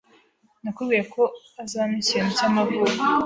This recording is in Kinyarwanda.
Nakubwiye ko azampa ikintu cyamavuko.